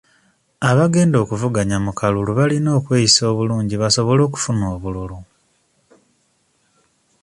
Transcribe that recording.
Abagenda okuvuganya mu kalulu balina okweyisa obulungi basobole okufuna obululu.